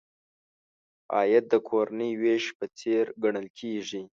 عاید د کورنۍ وېش په څېر ګڼل کیږي.